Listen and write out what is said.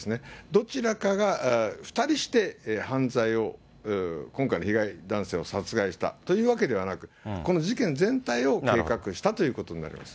どちらかが、２人して犯罪を、今回の被害男性を殺害したというわけではなく、この事件全体を計画したということになります。